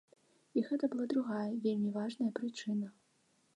І гэта была другая, вельмі важная прычына.